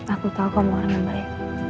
aku tahu orang yang baik